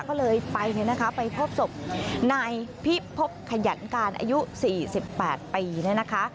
ก็เลยไปเลยนะคะไปพบศพนายพี่พบขยันการอายุ๔๘ปีนะคะ